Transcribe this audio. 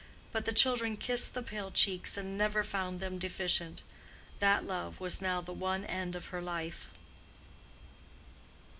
But the children kissed the pale cheeks and never found them deficient. That love was now the one end of her life.